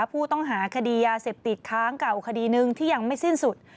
ผู้ต้องหาคดียาเสพติดค้างเก่าคดีหนึ่งที่ยังไม่สิ้นสุด